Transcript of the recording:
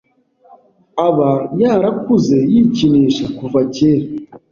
aba yarakuze yikinisha kuva kera